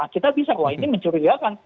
kita bisa wah ini mencurigakan